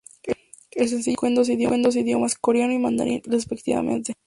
El sencillo se publicó en dos idiomas: coreano y mandarín, respectivamente.